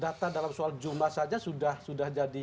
data dalam soal jumlah saja sudah jadi